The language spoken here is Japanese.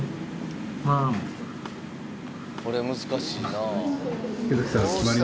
これ難しいな。